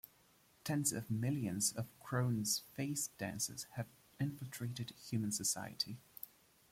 Tens of millions of Khrone's Face Dancers having infiltrated human society.